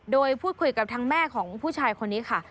โดยพูดคุยกับทางแม่ของผู้ชายคนนี้ค่ะ